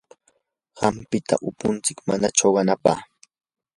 hampita upuntsik mana chuqanapaq.